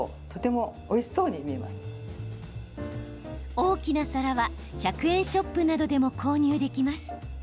大きな皿は１００円ショップなどでも購入できます。